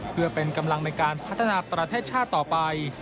เพื่อเป็นกำลังในการพัฒนาประเทศชาติต่อไป